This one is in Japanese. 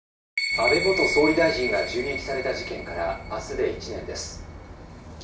「安倍元総理大臣が銃撃された事件からあすで１年です」。